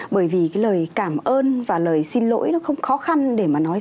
bởi vì cái lời cảm ơn và lời xin lỗi nó không khó khăn để mà nói